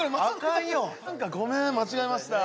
何かごめん間違えました。